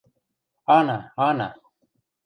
– Ана, ана.